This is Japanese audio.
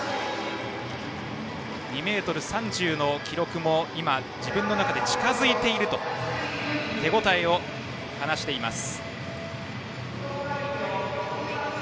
２ｍ３０の記録も自分の中で近づいていると手応えを話しています。